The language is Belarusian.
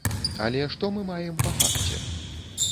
Але што мы маем па факце?